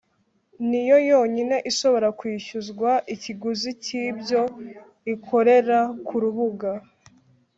niyo yonyine ishobora kwishyuzwa ikiguzi cy’ibyo ikorera ku rubuga